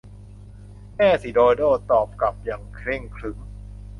แน่สิ โดโด้ ตอบกลับอย่างเคร่งขรึม